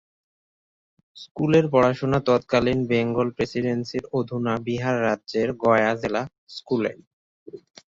স্কুলের পড়াশোনা তৎকালীন বেঙ্গল প্রেসিডেন্সির অধুনা বিহার রাজ্যের গয়া জেলা স্কুলে।